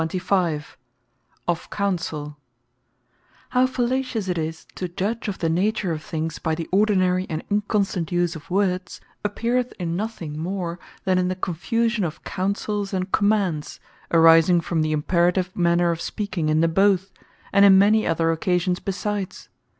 OF COUNSELL Counsell What How fallacious it is to judge of the nature of things, by the ordinary and inconstant use of words, appeareth in nothing more, than in the confusion of Counsels, and Commands, arising from the Imperative manner of speaking in them both, and in many other occasions besides.